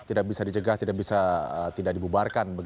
tidak bisa dijegah tidak bisa dibubarkan